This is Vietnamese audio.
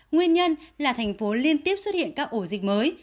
nguyên nhân là thành phố liên tiếp xuất hiện các ổ dịch mới